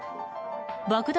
爆弾